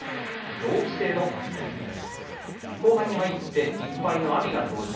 同期生対決です。